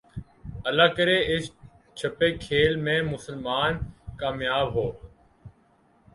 اللہ کرے اس چھپے کھیل میں مسلمان کامیاب ہو